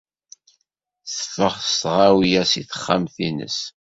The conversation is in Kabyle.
Teffeɣ s tɣawla seg texxamt-nnes.